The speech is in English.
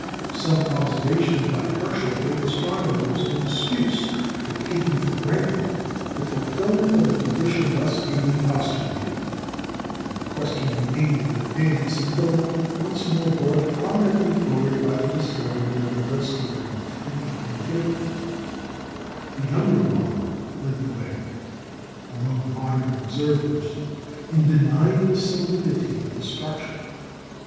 Some observations by Herschel gave astronomers an excuse for taking for granted the fulfilment of the condition thus vaguely postulated; and the question remained in abeyance until once more brought prominently forward by the discovery of the dusky ring in 1850. The younger Bond led the way, among modern observers, in denying the solidity of the structure.